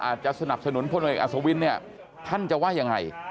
อาจจะสนับสนุนพลผลอัศวินเนี่ยท่านจะว่าอย่างไร